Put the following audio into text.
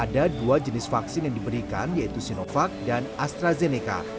ada dua jenis vaksin yang diberikan yaitu sinovac dan astrazeneca